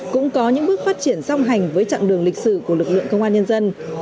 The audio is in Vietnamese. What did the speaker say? cũng có những bước phát triển song hành với trạng đường lịch sử của lực lượng công an nhân dân